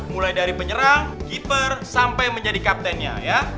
mulai dari penyerang keeper sampai menjadi kaptennya ya